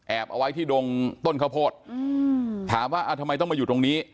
เอาไว้ที่ดงต้นข้าวโพดถามว่าทำไมต้องมาอยู่ตรงนี้